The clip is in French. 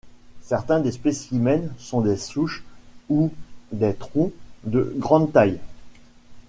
Certains des spécimens sont des souches ou des troncs de grande taille.